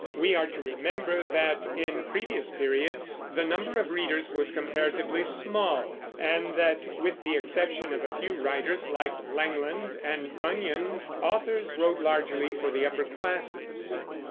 We are to remember that, in previous periods, the number of readers was comparatively small; and that, with the exception of a few writers like Langland and Bunyan, authors wrote largely for the upper classes.